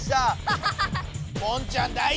ハハハハ！